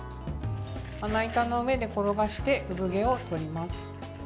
まな板の上で転がして産毛を取ります。